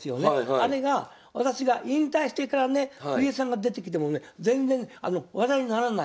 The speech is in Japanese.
あれが私が引退してからね藤井さんが出てきてもね全然話題にならない。